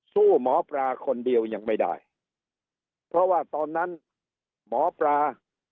หมอปลาคนเดียวยังไม่ได้เพราะว่าตอนนั้นหมอปลา